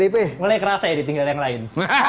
mulai kerasa ya ditinggal yang lain